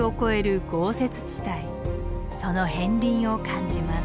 その片りんを感じます。